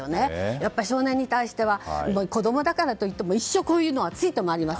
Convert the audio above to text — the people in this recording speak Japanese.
やっぱり少年に対しては子供だからと言って一生こういうのはついて回ります。